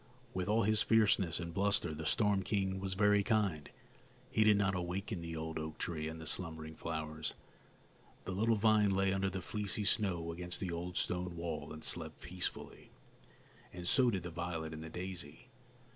With all his fierceness and bluster, the storm king was very kind; he did not awaken the old oak tree and the slumbering flowers. The little vine lay under the fleecy snow against the old stone wall and slept peacefully, and so did the violet and the daisy.